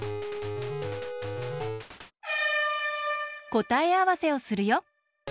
こたえあわせをするよ。